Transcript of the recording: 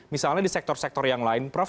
misalnya di sektor sektor yang lain prof